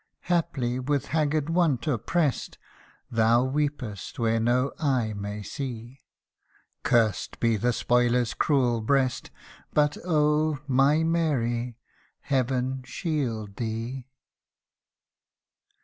Haply, with haggard want opprest, Thou weepest where no eye may see ; Cursed be the spoiler's cruel breast But, oh ! my Mary ! heaven shield thee